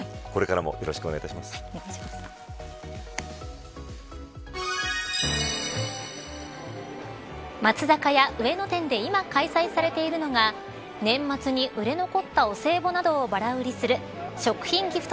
これからも松坂屋上野店て今、開催されているのが年末に売れ残ったお歳暮などをばら売りする食品ギフト